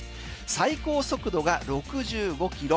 最高速度が６５キロ。